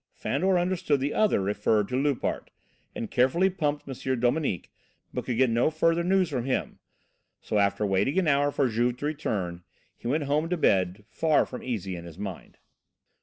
Fandor understood "The other" referred to Loupart, and carefully pumped M. Dominique, but could get no further news from him, so, after waiting an hour for Juve to return, he went home to bed far from easy in his mind.